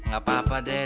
gak apa apa deh